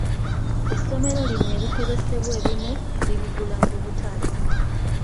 Essomero lino ebikozesebwa ebimu libigula mu butale.